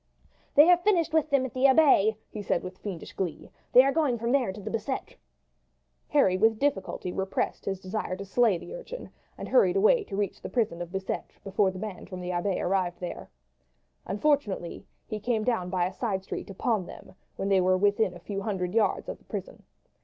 "They have finished with them at the Abbaye," he said with fiendish glee. "They are going from there to the Bicetre." Harry with difficulty repressed his desire to slay the urchin, and hurried away to reach the prison of Bicetre before the band from the Abbaye arrived there. Unfortunately he came down by a side street upon them when they were within a few hundred yards of the prison.